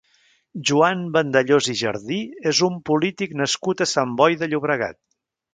Joan Vandellós i Jardí és un polític nascut a Sant Boi de Llobregat.